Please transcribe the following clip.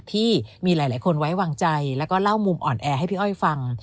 ที่มีหลายคนไว้วางใจแล้วก็เล่ามุมอ่อนแอให้พี่อ้อยฟัง